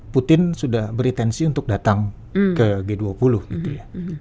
putin sudah berintensi untuk datang ke g dua puluh gitu ya